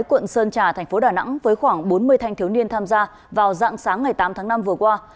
quận sơn trà thành phố đà nẵng với khoảng bốn mươi thanh thiếu niên tham gia vào dạng sáng ngày tám tháng năm vừa qua